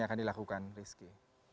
akan dilakukan rizky